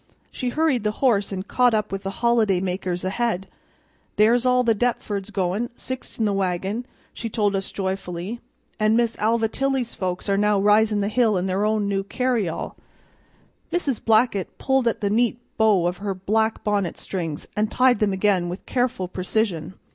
She hurried the horse and caught up with the holiday makers ahead. "There's all the Dep'fords goin', six in the wagon," she told us joyfully; "an' Mis' Alva Tilley's folks are now risin' the hill in their new carry all." Mrs. Blackett pulled at the neat bow of her black bonnet strings, and tied them again with careful precision.